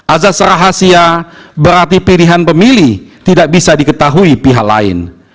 azas rahasia berarti pilihan pemilih tidak bisa diketahui pihak lain